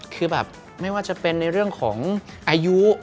คือแบบไม่ว่าจะเป็นในเรื่องของอายุ